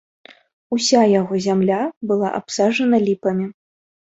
Уся яго зямля была абсаджана ліпамі.